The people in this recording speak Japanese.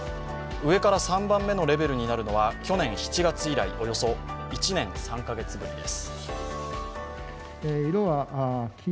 上から３番目のレベルになるのは去年７月以来およそ１年３カ月ぶりです。